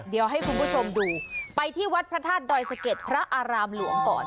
เดี๋ยวให้คุณผู้ชมดูไปที่วัดพระธาตุดอยสะเก็ดพระอารามหลวงก่อน